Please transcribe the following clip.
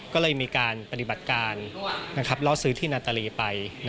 ก็เลยมีการปฏิบัติการล่อซื้อที่นาตาลีไป